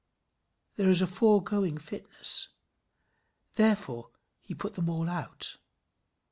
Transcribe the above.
There is a foregoing fitness. Therefore he put them all out.